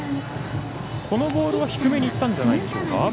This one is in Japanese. このボールは低めにいったんじゃないでしょうか。